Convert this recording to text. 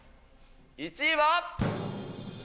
１位は？